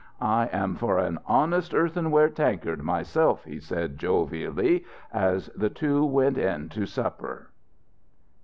"I am for an honest earthenware tankard myself!" he said, jovially, as the two went in to supper.